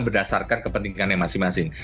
berdasarkan kepentingannya masing masing